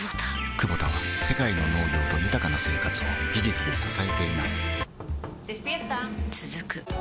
クボタは世界の農業と豊かな生活を技術で支えています起きて。